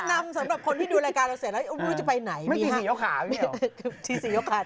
ครับลักกันนะที